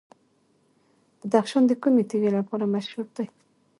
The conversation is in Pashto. بدخشان د کومې تیږې لپاره مشهور دی؟